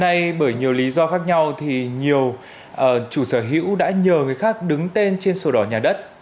hôm nay bởi nhiều lý do khác nhau thì nhiều chủ sở hữu đã nhờ người khác đứng tên trên sổ đỏ nhà đất